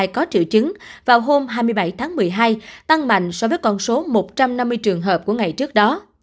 có triệu chứng vào hôm hai mươi bảy tháng một mươi hai tăng mạnh so với con số một trăm năm mươi trường hợp của ngày trước đó